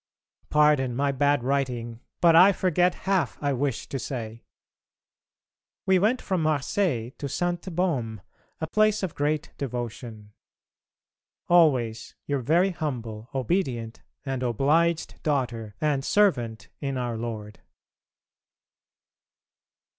Pardon my bad writing, but I forget half I wish to say. We went from Marseilles to Sainte Baume, a place of great devotion. Always your very humble, obedient, and obliged daughter, and servant in Our Lord.